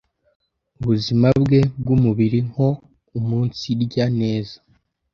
ubuzima bwe bw’umubiri nko umunsirya neza